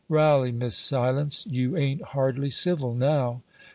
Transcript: "Railly, Miss Silence, you ain't hardly civil, now."